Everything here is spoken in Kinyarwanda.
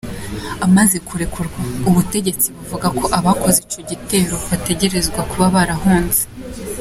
Amaze kurekurwa, ubutegetsi buvuga ko abakoze ico gitero bategerezwa kuba barahunze.